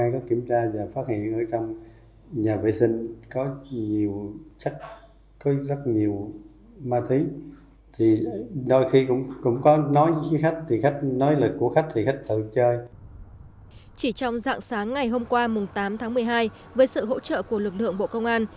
chỉ trong dạng sáng ngày hôm qua tám tháng một mươi hai với sự hỗ trợ của lực lượng bộ công an